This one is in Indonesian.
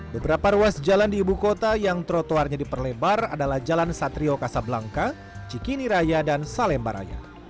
beberapa ruas jalan di ibu kota yang trotoarnya diperlebar adalah jalan satrio kasablangka cikini raya dan salemba raya